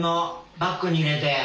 バッグに入れて。